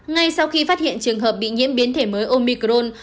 ngay sau khi phát hiện trường hợp bị nhiễm biến thể mới omicron